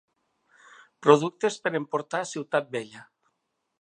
Productes per emportar a Ciutat Vella.